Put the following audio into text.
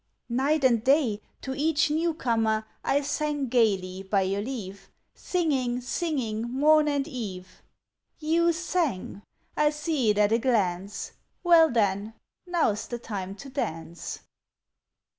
"Night and day, to each new comer I sang gaily, by your leave; Singing, singing, morn and eve." "You sang? I see it at a glance. Well, then, now's the time to dance."